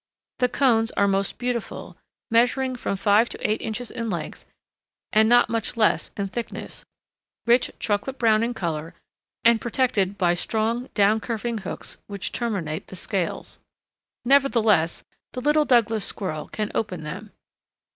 The cones are most beautiful, measuring from five to eight inches in length, and not much less in thickness, rich chocolate brown in color, and protected by strong, down curving hooks which terminate the scales. Nevertheless, the little Douglas squirrel can open them.